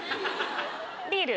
ビール？